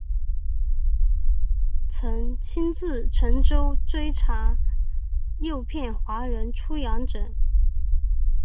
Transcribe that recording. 曾亲自乘舟追查诱骗华人出洋者。